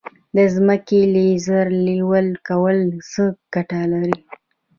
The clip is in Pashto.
د ځمکې لیزر لیول کول څه ګټه لري؟